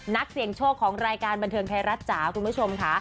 นักเสี่ยงโชคของรายการบันเทิงไทยรัฐจ๋าคุณผู้ชมค่ะ